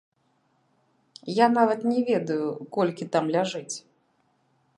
Я нават не ведаю, колькі там ляжыць!